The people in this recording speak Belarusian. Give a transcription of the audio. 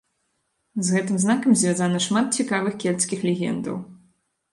З гэтым знакам звязана шмат цікавых кельцкіх легендаў.